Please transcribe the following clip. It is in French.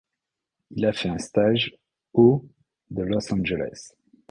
Il a fait un stage au de Los Angeles.